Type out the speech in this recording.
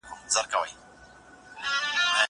زه اوس اوبه څښم!؟